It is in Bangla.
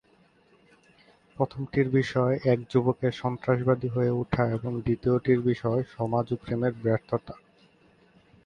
প্রথমটির বিষয়, এক যুবকের সন্ত্রাসবাদী হয়ে ওঠা, এবং দ্বিতীয়টির বিষয়, সমাজ ও প্রেমের ব্যর্থতা।